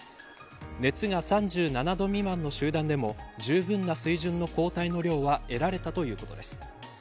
熱が３７度未満の集団でもじゅうぶんな水準の抗体の量は得られたということです。